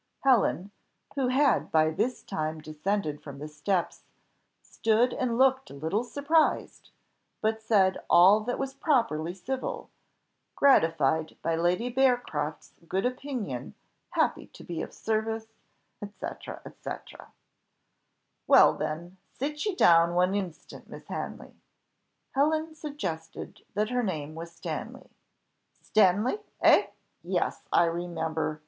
Helen, who had by this time descended from the steps, stood and looked a little surprised, but said all that was properly civil, "gratified by Lady Bearcroft's good opinion happy to be of any service," &c. &c. "Well, then sit ye down one instant, Miss Hanley." Helen suggested that her name was Stanley. "Stanley! eh? Yes, I remember.